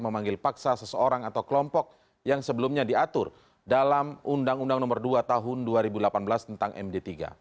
memanggil paksa seseorang atau kelompok yang sebelumnya diatur dalam undang undang nomor dua tahun dua ribu delapan belas tentang md tiga